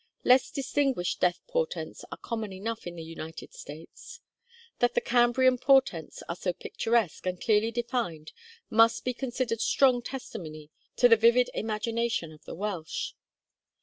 Less distinguished death portents are common enough in the United States. That the Cambrian portents are so picturesque and clearly defined must be considered strong testimony to the vivid imagination of the Welsh.